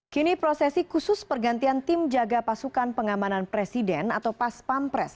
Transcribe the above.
kini prosesi khusus pergantian tim jaga pasukan pengamanan presiden atau pas pampres